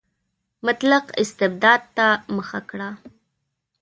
مطلق استبداد ته مخه کړه.